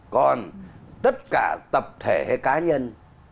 còn tất cả tập thể hay cá nhân